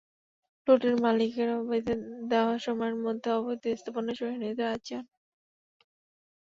প্লটের মালিকেরাও বেঁধে দেওয়া সময়ের মধ্যে অবৈধ স্থাপনা সরিয়ে নিতে রাজি হন।